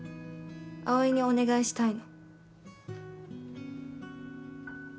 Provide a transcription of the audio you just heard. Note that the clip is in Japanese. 葵にお願いしたいの。